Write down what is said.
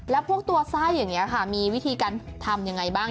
แล้วพวกตัวไส้อย่างนี้ค่ะมีวิธีการทำยังไงบ้าง